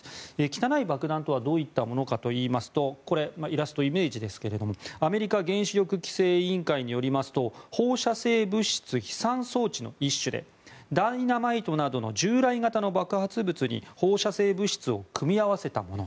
汚い爆弾とはどういったものかといいますとイラストはイメージですがアメリカ原子力規制委員会によりますと放射性物質飛散装置の一種でダイナマイトなどの従来型の爆発物に放射性物質を組み合わせたもの。